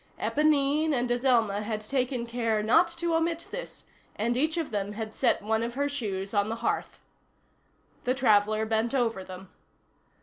Éponine and Azelma had taken care not to omit this, and each of them had set one of her shoes on the hearth. The traveller bent over them.